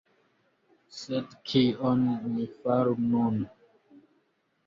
Sed kion mi faru nun?